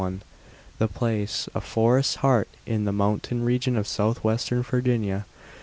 The place, a forest's heart in the mountain region of southwestern Virginia.